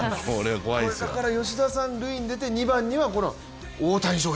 だから吉田さん塁に出て２番には大谷翔平。